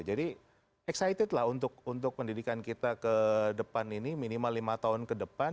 excited lah untuk pendidikan kita ke depan ini minimal lima tahun ke depan